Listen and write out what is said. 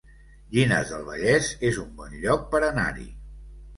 Llinars del Vallès es un bon lloc per anar-hi